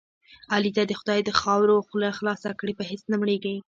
علي ته دې خدای د خاورو خوله خاصه کړي په هېڅ نه مړېږي.